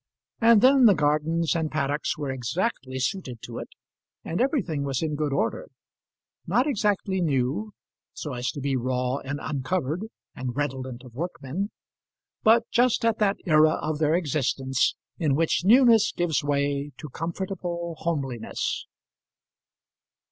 And then the gardens and paddocks were exactly suited to it; and everything was in good order; not exactly new, so as to be raw and uncovered, and redolent of workmen; but just at that era of their existence in which newness gives way to comfortable homeliness.